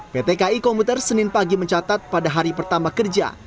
pt ki komuter senin pagi mencatat pada hari pertama kerja